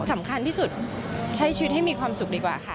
สำคัญที่สุดใช้ชีวิตให้มีความสุขดีกว่าค่ะ